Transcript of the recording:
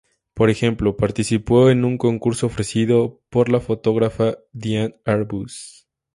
Por ejemplo, participó en un curso ofrecido por la fotógrafa Diane Arbus.